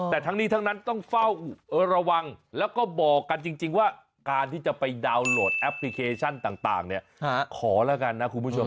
แต่ทั้งนี้ทั้งนั้นต้องเฝ้าระวังแล้วก็บอกกันจริงว่าการที่จะไปดาวน์โหลดแอปพลิเคชันต่างเนี่ยขอแล้วกันนะคุณผู้ชม